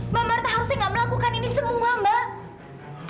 mbak marta harusnya gak melakukan ini semua mbak